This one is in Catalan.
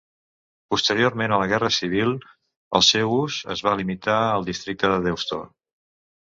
Posteriorment a la Guerra civil el seu ús es va limitar al districte de Deusto.